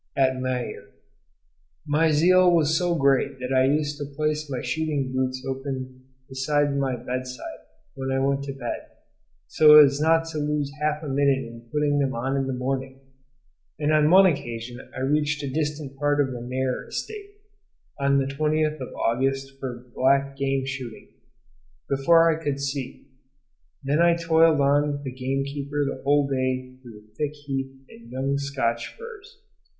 at Maer. My zeal was so great that I used to place my shooting boots open by my bed side when I went to bed, so as not to lose half a minute in putting them on in the morning; and on one occasion I reached a distant part of the Maer estate, on the 20th of August for black game shooting, before I could see: I then toiled on with the game keeper the whole day through thick heath and young Scotch firs.